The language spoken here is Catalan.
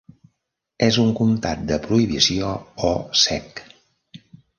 És un comtat de prohibició, o "sec".